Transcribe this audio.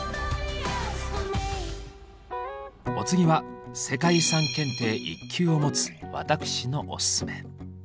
お次は世界遺産検定１級を持つ私のオススメ。